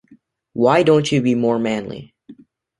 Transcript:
Why don’t you be more manly.